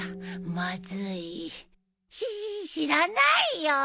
まずいししし知らないよ。